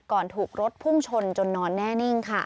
ถูกรถพุ่งชนจนนอนแน่นิ่งค่ะ